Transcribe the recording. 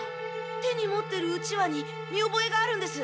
手に持ってるうちわに見おぼえがあるんです。